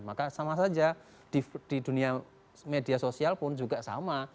maka sama saja di dunia media sosial pun juga sama